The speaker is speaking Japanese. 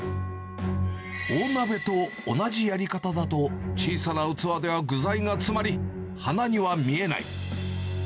大鍋と同じやり方だと、小さな器では具材が詰まり、花には見えない。